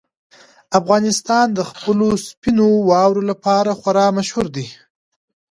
افغانستان د خپلو سپینو واورو لپاره خورا مشهور دی.